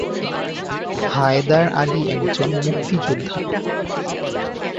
হায়দার আলী একজন মুক্তিযোদ্ধা।